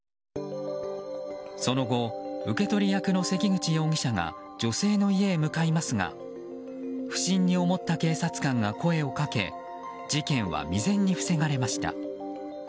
その後受け取り役の関口容疑者が女性の家へ向かいますが不審に思った警察官が声をかけ事件は未然に防がれました。